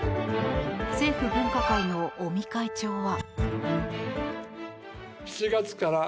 政府分科会の尾身会長は。